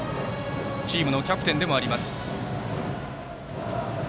チームのキャプテンでもあります。